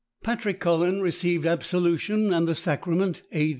Patrick Cullen received absolution and the sacrament, A.